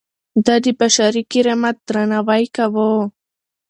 ده د بشري کرامت درناوی کاوه.